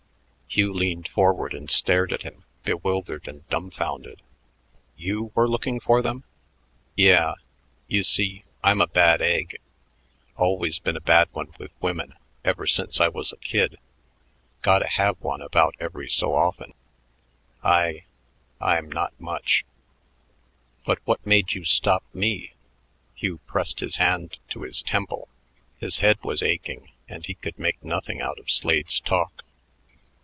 Hugh leaned forward and stared at him, bewildered and dumfounded. "You were looking for them?" "Yeah... You see, I'm a bad egg always been a bad one with women, ever since I was a kid. Gotta have one about every so often.... I I'm not much." "But what made you stop me?" Hugh pressed his hand to his temple. His head was aching, and he could make nothing out of Slade's talk.